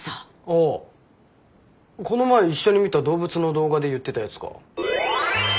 ああこの前一緒に見た動物の動画で言ってたやつか。